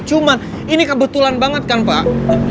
cuman ini kebetulan banget kan pak